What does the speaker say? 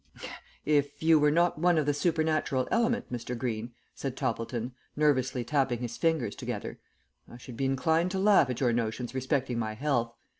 "If you were not one of the supernatural element, Mr. Greene," said Toppleton, nervously tapping his fingers together, "I should be inclined to laugh at your notions respecting my health.